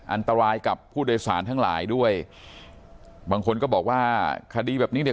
อันตรายกับผู้โดยสารทั้งหลายด้วยบางคนก็บอกว่าคดีแบบนี้เนี่ย